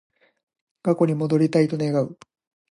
過去に戻りたいと願う